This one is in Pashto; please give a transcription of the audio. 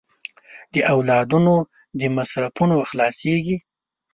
د اولادونو د مصرفونو خلاصېږي.